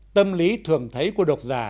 tâm lý thường thấy của độc giả